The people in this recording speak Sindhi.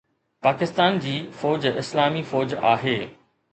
پاڪستان جي فوج اسلامي فوج آهي